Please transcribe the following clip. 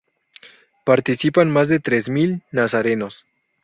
Participan más de tres mil nazarenos.